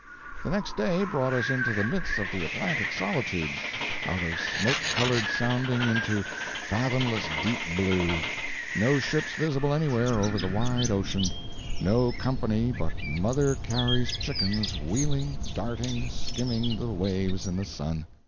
The next day brought us into the midst of the Atlantic solitudes out of smoke colored sounding into fathomless deep blue; no ships visible anywhere over the wide ocean; no company but Mother Carey's chickens wheeling, darting, skimming the waves in the sun.